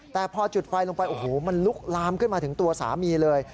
แต่พอจุดไฟลงไปโอ้โหมันลุกลามขึ้นมาถึงตัวสามีเลย